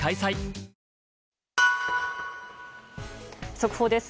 速報です。